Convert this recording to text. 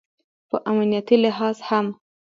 په امنیتي لحاظ هم